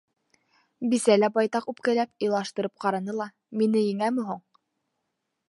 Бисә лә байтаҡ үпкәләп, илаштырып ҡараны ла, мине еңәме һуң.